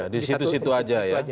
di situ situ saja